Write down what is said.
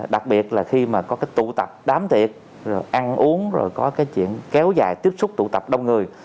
đặc biệt là khi mà có cái tụ tập đám tiệc rồi ăn uống rồi có cái chuyện kéo dài tiếp xúc tụ tập đông người